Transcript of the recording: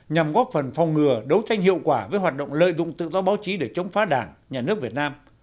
nhằm góp phần phòng ngừa đấu tranh hiệu quả với hoạt động lợi dụng tự do báo chí để chống phá đảng nhà nước việt nam